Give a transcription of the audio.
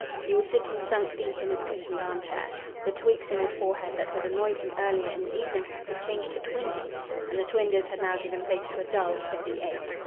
He was sitting sunk deep in his cushioned arm chair. The tweaks in his forehead that had annoyed him earlier in the evening had changed to twinges, and the twinges had now given place to a dull, steady ache.